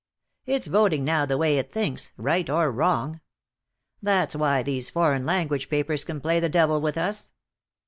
It's voting now the way it thinks, right or wrong. That's why these foreign language papers can play the devil with us.